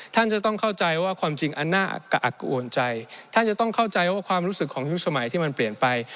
ท่านจะต้องเข้าใจว่าความจริงอันน่าอักกะอักกะอวนใจท่านจะต้องเข้าใจว่าความรู้สึกของยุคสมัยที่มันเปลี่ยนไป